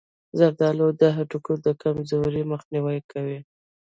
زردآلو د هډوکو د کمزورۍ مخنیوی کوي.